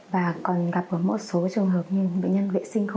và còn gặp ở mỗi số trường hợp như bệnh nhân vệ sinh